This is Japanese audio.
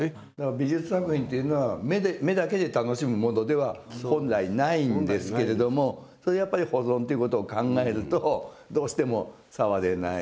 美術作品っていうのは目だけで楽しむものでは本来ないんですけれどもやっぱり保存っていうことを考えるとどうしても触れない。